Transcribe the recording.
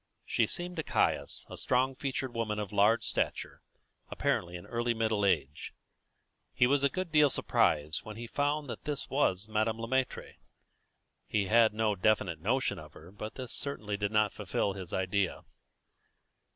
She seemed to Caius a strong featured woman of large stature, apparently in early middle age. He was a good deal surprised when he found that this was Madame Le Maître. He had had no definite notion of her, but this certainly did not fulfil his idea.